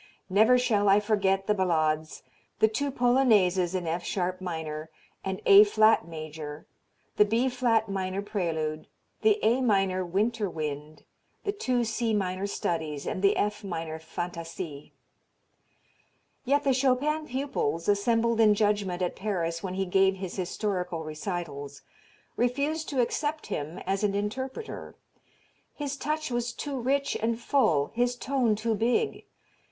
Never shall I forget the Ballades, the two Polonaises in F sharp minor and A flat major, the B flat minor Prelude, the A minor "Winter Wind" the two C minor studies, and the F minor Fantasie. Yet the Chopin pupils, assembled in judgment at Paris when he gave his Historical Recitals, refused to accept him as an interpreter. His touch was too rich and full, his tone too big.